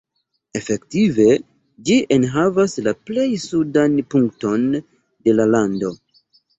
Efektive ĝi enhavas la plej sudan punkton de la lando.